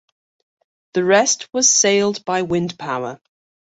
The rest was sailed by wind power.